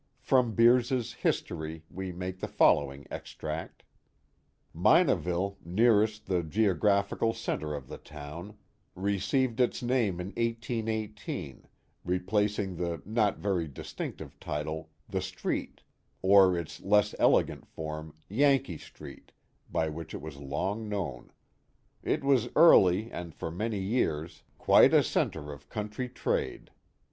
From Beers*s History we make the following extract : Minaville, nearest the geographical center of the town, received its name in 1818, replacing the not very distinctive title "the street," or its less elegant form Yankee street," by which it was long known. It was early and for many years quite a center of 4o6 The Mohawk Valley ^^H country trade.